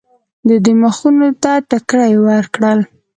دوی مخونو ته ټکرې ورکړل.